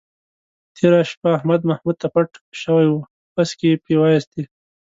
تېره شپه احمد محمود ته پټ شوی و، پسکې یې پې وایستلی.